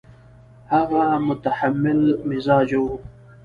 هغه متحمل مزاجه وو.